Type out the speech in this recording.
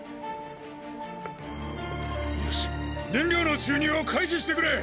よし燃料の注入を開始してくれ！